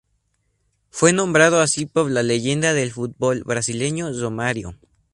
Fue nombrado así por la leyenda del fútbol brasileño Romário.